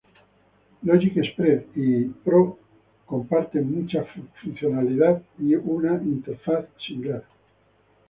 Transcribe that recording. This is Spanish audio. Logic Express y Pro comparten mucha funcionalidad y una interfaz similar.